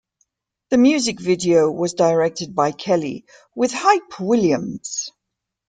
The music video was directed by Kelly with Hype Williams.